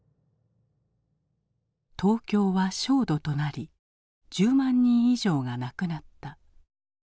東京は焦土となり１０万人以上が亡くなった。